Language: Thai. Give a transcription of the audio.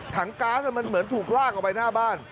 ก๊าซมันเหมือนถูกลากออกไปหน้าบ้าน